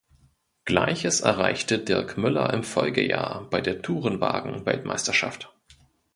Gleiches erreichte Dirk Müller im Folgejahr bei der Tourenwagen-Weltmeisterschaft.